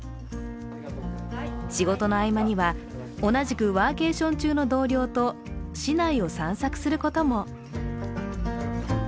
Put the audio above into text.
仕事の合間には、同じくワーケーション中の同僚と市内を散策することも。